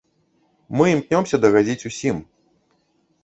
Мы імкнёмся дагадзіць усім.